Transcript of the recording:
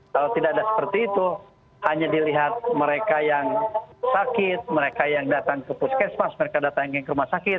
kalau tidak ada seperti itu hanya dilihat mereka yang sakit mereka yang datang ke puskesmas mereka datang ke rumah sakit